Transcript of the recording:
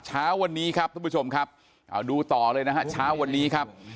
เช้าวันนี้ครับทุกผู้ชมครับเอาดูต่อเลยนะฮะเช้าวันนี้ครับ